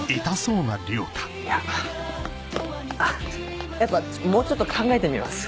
あやっぱもうちょっと考えてみます。